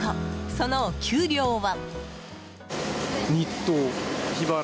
そのお給料は。